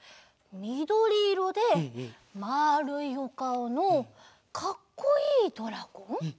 みどりいろでまあるいおかおのかっこいいドラゴン？